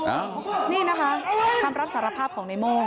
อ้าวนี่นะคะคำรับสารภาพของในโม่